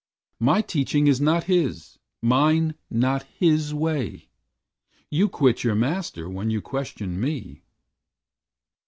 My teaching is not his; mine not his way; You quit your Master when you question me."